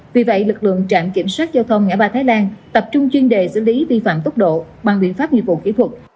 vì vậy lực lượng trạm kiểm soát giao thông ngã ba thái lan tập trung chuyên đề xử lý vi phạm tốc độ bằng biện pháp nghiệp vụ kỹ thuật